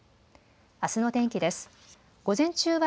あすの天気です。